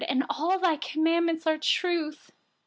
All your commandments are truth.